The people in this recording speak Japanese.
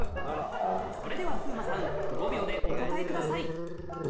それでは風磨さん５秒でお答えください